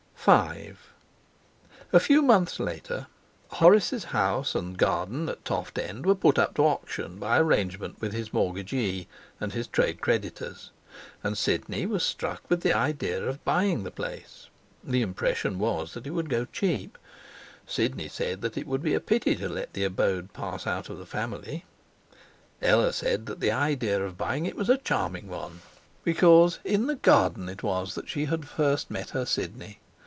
V A few months later Horace's house and garden at Toft End were put up to auction by arrangement with his mortgagee and his trade creditors. And Sidney was struck with the idea of buying the place. The impression was that it would go cheap. Sidney said it would be a pity to let the abode pass out of the family. Ella said that the idea of buying it was a charming one, because in the garden it was that she had first met her Sidney.